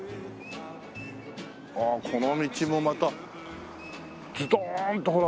ああこの道もまたズドーンとほら。